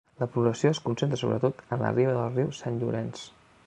La població es concentra sobretot a la riba del riu Sant Llorenç.